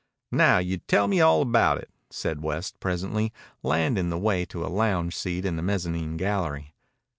"Now you tell me all about it," said West presently, leading the way to a lounge seat in the mezzanine gallery.